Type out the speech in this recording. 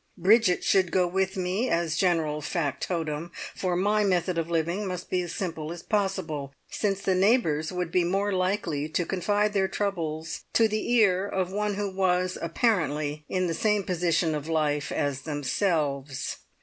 Bridget should go with me as general factotum, for my method of living must be as simple as possible, since the neighbours would be more likely to confide their troubles to the ear of one who was, apparently, in the same position of life as themselves.